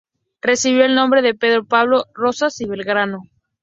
Recibió el nombre de Pedro Pablo Rosas y Belgrano.